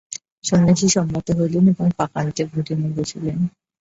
সন্ন্যাসী সম্মত হইলেন এবং পাকান্তে ভোজনে বসিলেন।